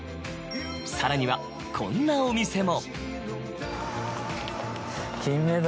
さらにはこんなお店も。